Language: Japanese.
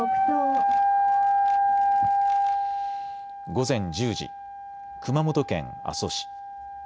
午前１０時、熊本県阿蘇市。